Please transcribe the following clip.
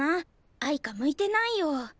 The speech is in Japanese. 藍花向いてないよ。